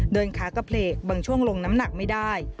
ขากระเพลกบางช่วงลงน้ำหนักไม่ได้